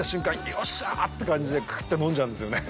よっしゃーって感じでクーっと飲んじゃうんですよね。